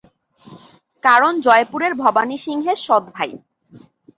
কারণ জয়পুরের ভবানী সিংহের সৎ-ভাই।